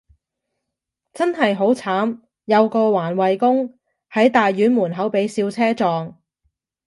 真係好慘，有個環衛工，喺大院門口被小車撞